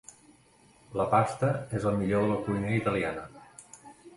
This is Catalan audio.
La pasta és el millor de la cuina italiana.